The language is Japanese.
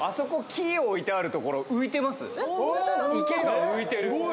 ・池が浮いてる。